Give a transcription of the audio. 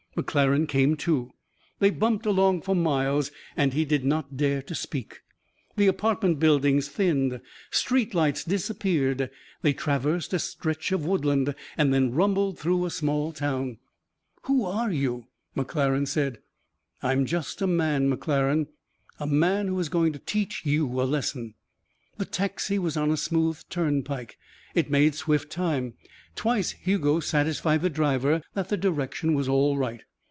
McClaren came to. They bumped along for miles and he did not dare to speak. The apartment buildings thinned. Street lights disappeared. They traversed a stretch of woodland and then rumbled through a small town. "Who are you?" McClaren said. "I'm just a man, McClaren a man who is going to teach you a lesson." The taxi was on a smooth turnpike. It made swift time. Twice Hugo satisfied the driver that the direction was all right.